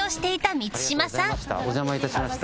お邪魔致しました。